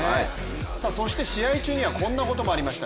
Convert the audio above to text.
そして試合中にはこんなこともありました。